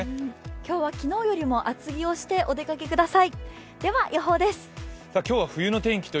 今日は昨日よりも厚着をしてお出かけください。